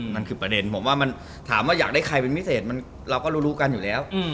นั่นคือประเด็นผมว่ามันถามว่าอยากได้ใครเป็นพิเศษเราก็รู้กันอยู่แล้ว